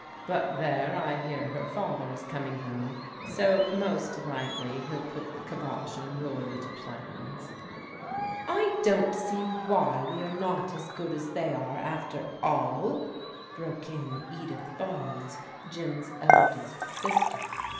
But there, I hear her father is coming home, so most likely he'll put the kybosh on your little plans." " I don't see why we are not as good as they are after aJi" broke in Edith Barnes, Jim's eldest sister.